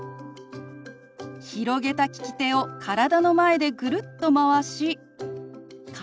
広げた利き手を体の前でぐるっとまわし「体」。